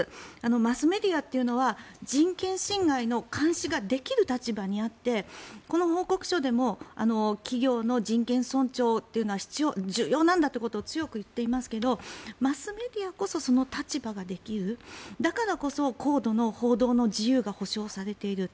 マスメディアというのは人権侵害の監視ができる立場にあってこの報告書でも企業の人権尊重というのは重要なんだということを強く言っていますけれどマスメディアこそその立場ができるだからこそ、高度の報道の自由が保障されている。